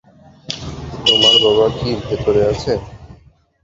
তোমার বাবা কি ভেতরে আছে?